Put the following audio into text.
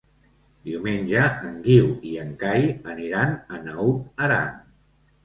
Diumenge en Guiu i en Cai aniran a Naut Aran.